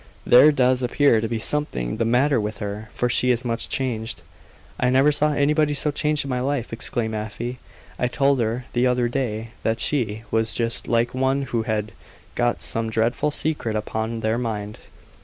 "There does appear to be something the matter with her, for she is much changed." "I never saw anybody so changed in my life," exclaimed Afy. "I told her the other day that she was just like one who had got some dreadful secret upon their mind."